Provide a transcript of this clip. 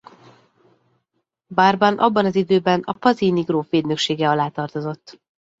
Barban abban az időben a pazini gróf védnöksége alá tartozott.